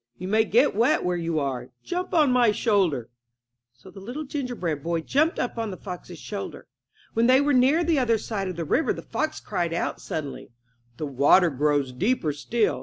You may get wet where you are. Jump up on my shoulder/' So the Little Gingerbread Boy jumped up on the fox's shoulder. When they were near the other side of the river the fox cried out suddenly: 'The water grows deeper still.